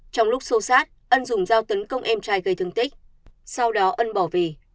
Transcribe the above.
trong lúc xô sát ân dùng dao tấn công em trai gây thương tích sau đó ân bỏ về